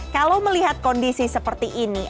kalau melihat kondisi seperti ini